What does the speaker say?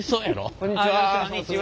こんにちは。